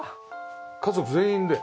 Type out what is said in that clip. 家族全員で？